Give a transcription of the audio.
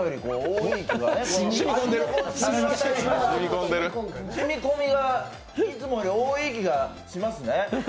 味の染み込みがいつもより多い気がしますね。